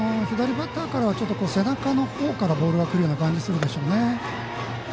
左バッターからは背中のほうからボールがくるような感じがするでしょうね。